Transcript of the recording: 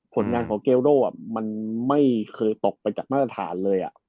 ผลงานของเกลโดมันไม่เคยตกไปจากมาตรฐานเลย